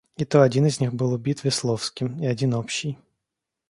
И то один из них был убит Весловским и один общий.